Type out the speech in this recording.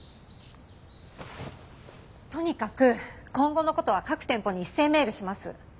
とにかく今後の事は各店舗に一斉メールします。